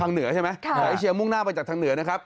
เหนือใช่ไหมเอเชียมุ่งหน้าไปจากทางเหนือนะครับ